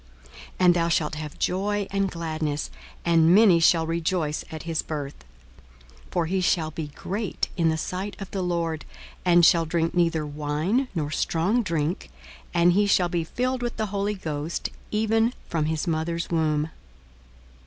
42:001:014 And thou shalt have joy and gladness; and many shall rejoice at his birth. 42:001:015 For he shall be great in the sight of the Lord, and shall drink neither wine nor strong drink; and he shall be filled with the Holy Ghost, even from his mother's womb.